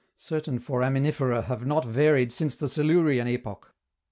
Certain Foraminifera have not varied since the Silurian epoch.